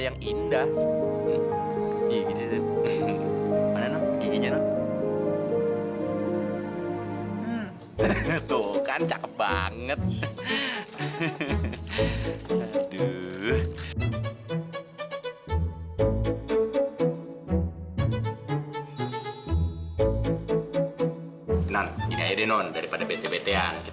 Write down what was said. jangan jadi orang orang